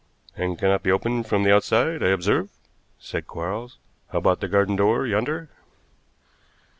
"And cannot be opened from the outside, I observe," said Quarles. "How about the garden door, yonder?"